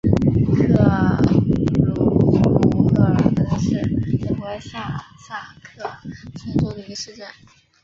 克鲁姆赫尔恩是德国下萨克森州的一个市镇。